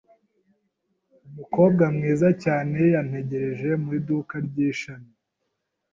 Umukobwa mwiza cyane yantegereje mu iduka ry’ishami.